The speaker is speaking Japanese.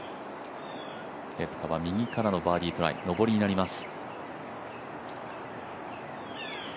ケプカは右からのバーディートライ、上りになります。